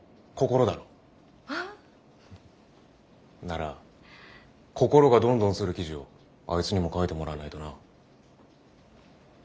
なら心がどんどんする記事をあいつにも書いてもらわないとな。